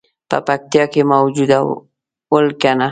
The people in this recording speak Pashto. په پکتیا کې موجود ول کنه.